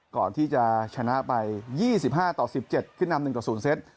ก่อนที่จะชนะไป๒๕ต่อ๑๗ขึ้นนำ๑ต่อ๐เซต